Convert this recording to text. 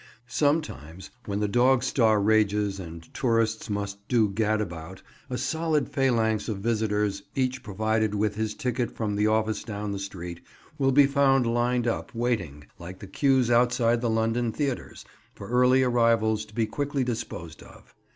Sometimes, when the dog star rages and tourists most do gad about, a solid phalanx of visitors, each provided with his ticket from the office down the street, will be found lined up, waiting, like the queues outside the London theatres, for earlier arrivals to be quickly disposed of.